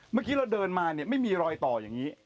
เมื่อกี้เราเดินมาเนี่ยไม่มีรอยต่ออย่างนี้